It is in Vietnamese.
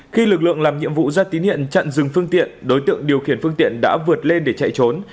khi lực lượng làm nhiệm vụ ra tín hiện chặn dừng phương tiện đối tượng điều khiển phương tiện đã vượt lên để chạy trốn